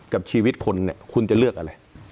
กับชีวิตคนเนี่ยคุณจะเลือกอะไร